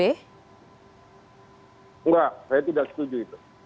enggak saya tidak setuju itu